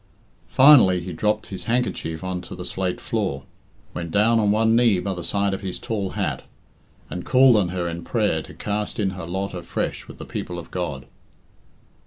Finally, he dropped his handkerchief on to the slate floor, went down on one knee by the side of his tall hat, and called on her in prayer to cast in her lot afresh with the people of God.